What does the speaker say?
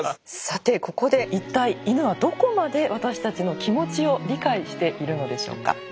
さてここで一体イヌはどこまで私たちの気持ちを理解しているのでしょうか。